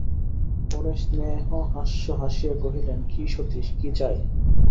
পরেশ স্নেহহাস্য হাসিয়া কহিলেন, কী সতীশ, কী চাই?